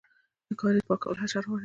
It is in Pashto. د کاریز پاکول حشر غواړي؟